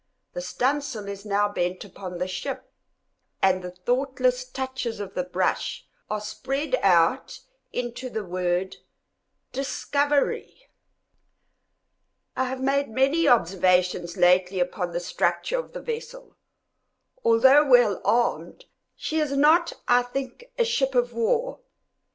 The studding sail is now bent upon the ship, and the thoughtless touches of the brush are spread out into the word DISCOVERY. I have made many observations lately upon the structure of the vessel. Although well armed, she is not, I think, a ship of war.